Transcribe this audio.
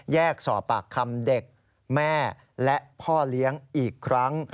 สอบปากคำเด็กแม่และพ่อเลี้ยงอีกครั้ง